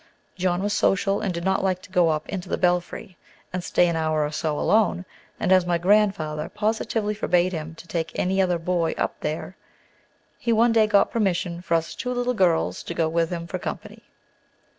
John was social, and did not like to go up into the belfry and stay an hour or so alone, and as my grandfather positively forbade him to take any other boy up there, he one day got permission for us two little girls to go with him, for company.